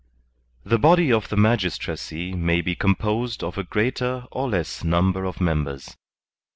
The body of the magistracy may be composed of a greater or less number of members.